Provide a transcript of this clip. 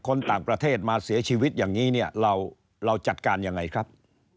คนต่างประเทศมาเสียชีวิตอย่างนี้เนี่ยเราจัดการยังไงครับ